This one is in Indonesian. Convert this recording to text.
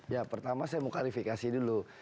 ya pertama saya mau klarifikasi dulu